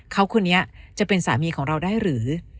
เขาคนนี้จะเป็นสามีของเราได้หรือ